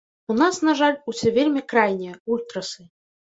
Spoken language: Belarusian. У нас, на жаль, усе вельмі крайнія, ультрасы.